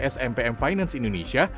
smpm finance indonesia